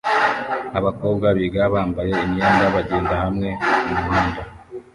Abakobwa biga bambaye imyenda bagenda hamwe mumuhanda